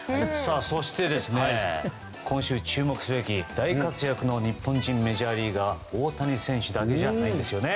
そして、今週注目すべき大活躍の日本人メジャーリーガーは大谷選手だけじゃないんですよね